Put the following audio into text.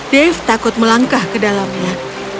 dave takut melangkah ke dalamnya